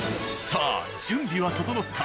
さあ準備は整った。